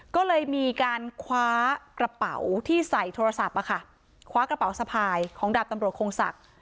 ก็เลยมีการคว้ากระเป๋าที่ใส่โทรศัพท์คว้ากระเป๋าสะพายของดาบตำรวจคงศักดิ์